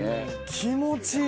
気持ちいい！